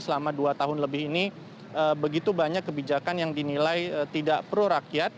selama dua tahun lebih ini begitu banyak kebijakan yang dinilai tidak pro rakyat